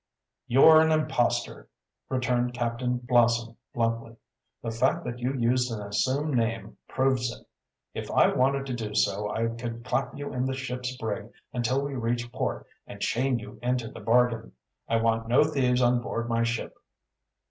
"You are an impostor!" returned Captain Blossom bluntly. "The fact that you used an assumed name proves it. If I wanted to do so, I could clap you in the ship's brig until we reach port and chain you into the bargain. I want no thieves on board my ship."